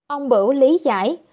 ông bữu lý giải